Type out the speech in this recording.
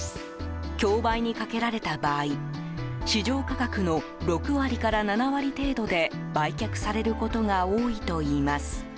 競売にかけられた場合市場価格の６割から７割程度で売却されることが多いといいます。